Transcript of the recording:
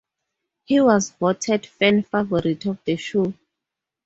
He was voted Fan Favorite of the show.